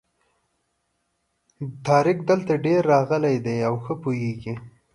طارق دلته ډېر راغلی دی او ښه پوهېږي.